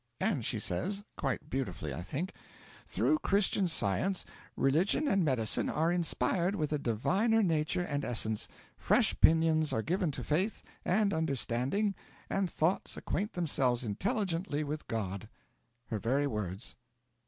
And she says quite beautifully, I think "Through Christian Science, religion and medicine are inspired with a diviner nature and essence, fresh pinions are given to faith and understanding, and thoughts acquaint themselves intelligently with God." Her very words.'